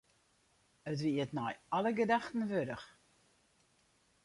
It wie it nei alle gedachten wurdich.